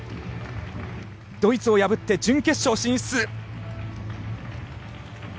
ドイツを破って準決勝進出。